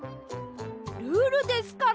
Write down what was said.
ルールですから！